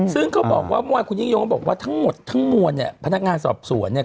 ซึ่งเขาบอกว่าเมื่อวานคุณยิ่งยงบอกว่าทั้งหมดทั้งมวลเนี่ยพนักงานสอบสวนเนี่ย